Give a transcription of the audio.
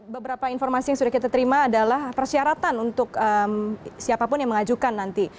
beberapa informasi yang sudah kita terima adalah persyaratan untuk siapapun yang mengajukan nanti